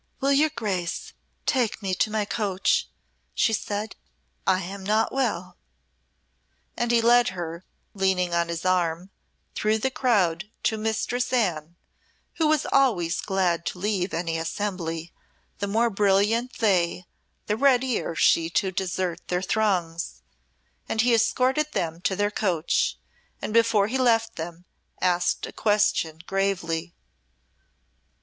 "Will your Grace take me to my coach?" she said. "I am not well." And he led her, leaning on his arm, through the crowd to Mistress Anne, who was always glad to leave any assembly the more brilliant they, the readier she to desert their throngs and he escorted them to their coach, and before he left them asked a question gravely.